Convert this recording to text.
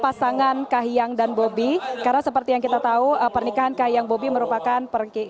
pasangan kahyang dan bobby karena seperti yang kita tahu pernikahan kayak bobby merupakan pergi